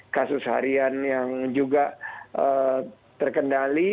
kasus harian yang juga terkendali